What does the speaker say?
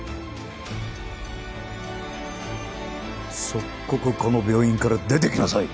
即刻この病院から出ていきなさい！